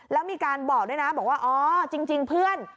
แล้วมีการบอกด้วยนะบอกว่าอ๋อจริงเพื่อน